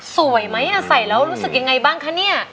สวยไหมใส่แล้วรู้สึกยังไงบ้างคะเนี่ย